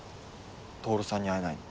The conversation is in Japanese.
透さんに会えないの。